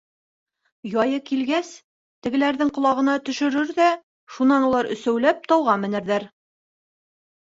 Яйы килгәс, тегеләрҙең ҡолағына төшөрөр ҙә, шунан улар өсәүләп тауға менерҙәр.